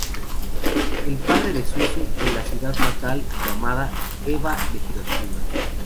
El padre de Suzu, en la ciudad natal llamada Eba de Hiroshima.